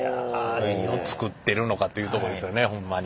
何を作っているのかというとこですよねホンマに。